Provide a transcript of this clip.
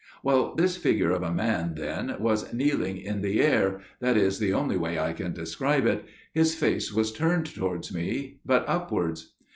"Well, this figure of a man, then, was kneeling in the air, that is the only way I can describe it––his face was turned towards me, but upwards.